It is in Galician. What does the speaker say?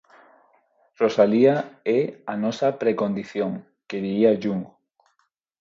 Rosalía é a nosa precondición, que diría Jung.